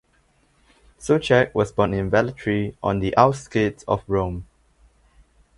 Soucek was born in Velletri on the outskirts of Rome.